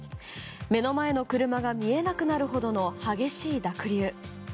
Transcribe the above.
目の前の車が見えなくなるほどの激しい濁流。